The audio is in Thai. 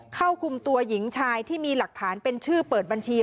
เข้าคุมตัวหญิงชายที่มีหลักฐานเป็นชื่อเปิดบัญชี